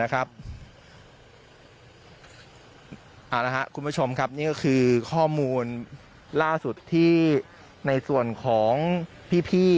เอาละครับคุณผู้ชมครับนี่ก็คือข้อมูลล่าสุดที่ในส่วนของพี่